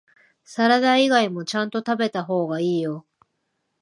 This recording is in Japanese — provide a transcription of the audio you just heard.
サラダ以外もちゃんと食べた方がいいよ